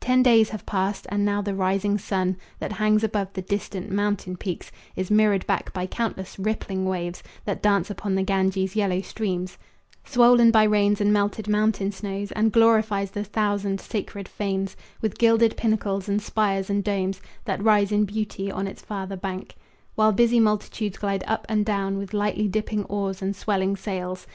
Ten days have passed, and now the rising sun. That hangs above the distant mountain peaks Is mirrored back by countless rippling waves That dance upon the Ganges' yellow stream, Swollen by rains and melted mountain snows, And glorifies the thousand sacred fanes With gilded pinnacles and spires and domes That rise in beauty on its farther bank, While busy multitudes glide up and down With lightly dipping oars and swelling sails.